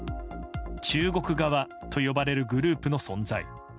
中国側と呼ばれるグループの存在。